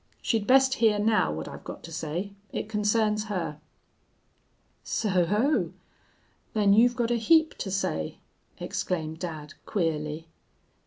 She'd best hear now what I've got to say. It concerns her.' "'So ho! Then you've got a heap to say?' exclaimed dad, queerly.